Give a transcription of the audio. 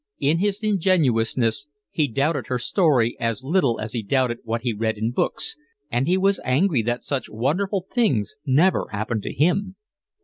In his ingenuousness he doubted her story as little as he doubted what he read in books, and he was angry that such wonderful things never happened to him.